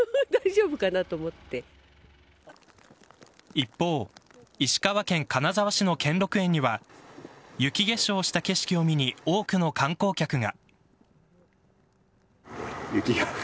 一方、石川県金沢市の兼六園には雪化粧した景色を見に多くの観光客が。